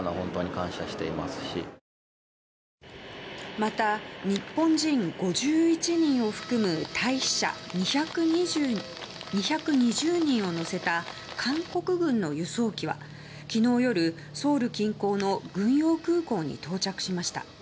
また、日本人５１人を含む退避者２２０人を乗せた韓国軍の輸送機は昨日夜、ソウル近郊の軍用空港に到着しました。